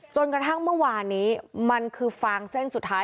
จนกระทั่งเมื่อวานนี้มันคือฟางเส้นสุดท้าย